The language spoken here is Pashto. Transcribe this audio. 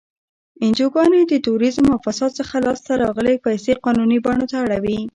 انجوګانې د تروریزم او فساد څخه لاس ته راغلی پیسې قانوني بڼو ته اړوي.